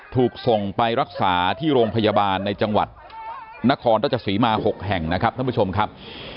ถูกส่งไปรักษาที่โรงพยาบาลในจังหวัดนครราชสีมา๖แห่งนะครับท่านผู้ชมครับ